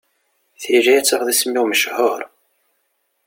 Tili ad tafeḍ isem-iw mechur.